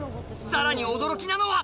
さらに驚きなのは！